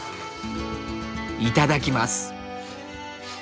「いただきます」。